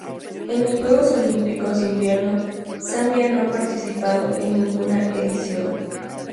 En los Juegos Olímpicos de Invierno Zambia no ha participado en ninguna edición.